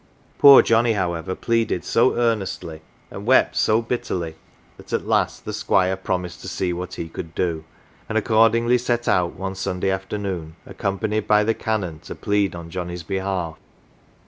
Poor 59 CELEBRITIES Johnnie, however, pleaded so earnestly and wept so bitterly that at last the Squire promised to see what he could do ; and accordingly set out one Sunday afternoon accompanied by the Canon to plead on Johnnie's behalf.